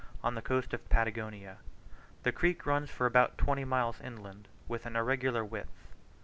on the coast of Patagonia. The creek runs for about twenty miles inland, with an irregular width.